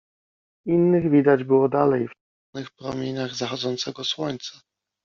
Innych widać było dalej, w czerwonych promieniach zachodzącego słońca.